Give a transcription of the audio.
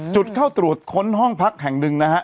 จุดเข้าตรวจค้นห้องพักแห่งหนึ่งนะฮะ